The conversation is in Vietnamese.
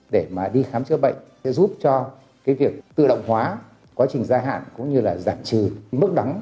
để mà đi khám chữa bệnh giúp cho cái việc tự động hóa quá trình gia hạn cũng như là giảm trừ mức đắng